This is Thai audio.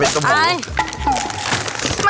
ขอบคุณครับ